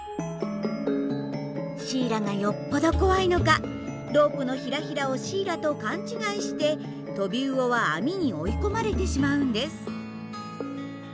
シイラがよっぽど怖いのかロープのヒラヒラをシイラと勘違いしてトビウオは網に追い込まれてしまうんです。